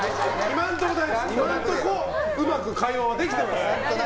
今のところうまく会話はできていますね。